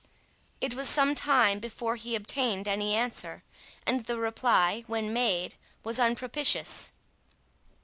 It was some time before he obtained any answer, and the reply, when made, was unpropitious.